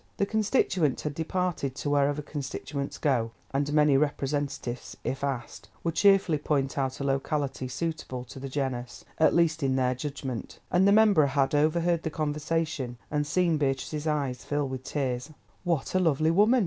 The constituent had departed to wherever constituents go—and many representatives, if asked, would cheerfully point out a locality suitable to the genus, at least in their judgment—and the member had overheard the conversation and seen Beatrice's eyes fill with tears. "What a lovely woman!"